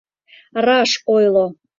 Раш ойло!